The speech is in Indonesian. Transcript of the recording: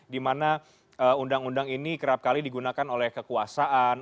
dimana undang undang ini kerap kali digunakan oleh kekuasaan